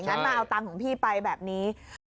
มาเอาตังค์ของพี่ไปแบบนี้